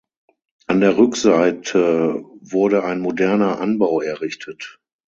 An der Rückseite wurde ein moderner Anbau errichtet.